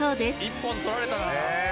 一本取られたな。